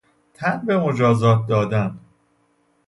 تن به مجازات دادن